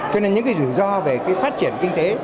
cho nên những cái rủi ro về phát triển kinh tế